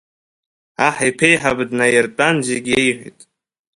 Аҳ иԥа еиҵбы днаиртәан зегь иеиҳәеит.